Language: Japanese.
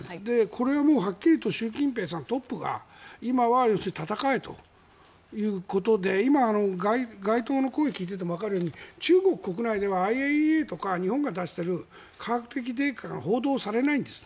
これはもうはっきりと習近平さんが今は要するに、戦えということで今、街頭の声を聞いててもわかるように中国国内ではＩＡＥＡとか日本が出している科学的データが報道されないんです。